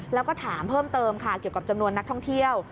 แล้วก็ถามเพิ่มเติมค่ะเกี่ยวกับจำนวนนักท่องเที่ยว